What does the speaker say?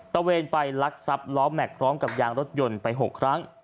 ตะเบียนไปลักซับล้อมแมคพร้อมกับยางรถยนต์ไป๖ครั้ง